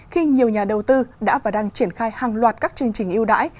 khi nhiều nhà đầu tư đã và đang triển khai hàng loạt các chương trình yêu đãi